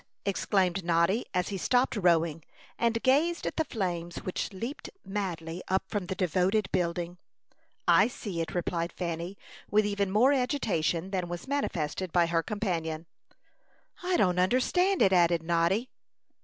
exclaimed Noddy, as he stopped rowing, and gazed at the flames which leaped madly up from the devoted building. "I see it," replied Fanny, with even more agitation than was manifested by her companion. "I don't understand it," added Noddy.